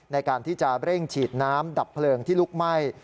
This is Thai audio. ในการที่จะเร่งฉีดน้ำดับเพลิงที่ลุกไหม้